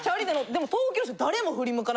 でも。